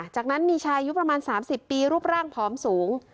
จากนั้นมีชายอายุประมาณ๓๐ปีรูปร่างผอมสูง